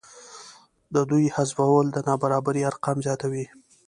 د دوی حذفول د نابرابرۍ ارقام زیاتوي